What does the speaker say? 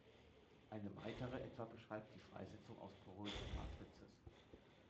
Eine weitere etwa beschreibt die Freisetzung aus porösen Matrices.